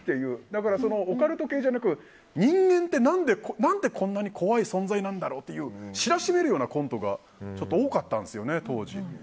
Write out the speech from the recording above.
だから、オカルト系じゃなくて人間って何でこんな怖い存在なんだって知らしめるようなコントが多かったんですよね、当時。